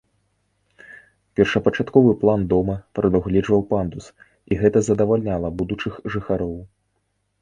Першапачатковы план дома прадугледжваў пандус, і гэта задавальняла будучых жыхароў.